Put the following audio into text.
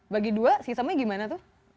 bagi dua sistemnya gimana tuh